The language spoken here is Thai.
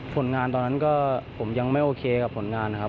ผลงานตอนนั้นก็ผมยังไม่โอเคกับผลงานนะครับ